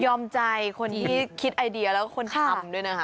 ใจคนที่คิดไอเดียแล้วก็คนทำด้วยนะคะ